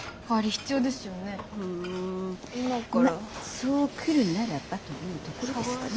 そう来るならばというところですかね。